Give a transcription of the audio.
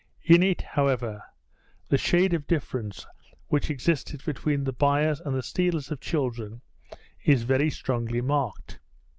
In it, however, the shade of difference which existed between the buyers and the stealers of children is very strongly marked.